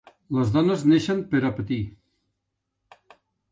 Les dones neixen per a patir.